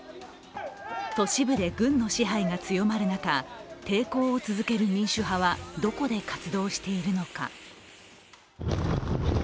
都市部で軍の支配が強まる中、抵抗を続ける民主派はどこで活動しているのか。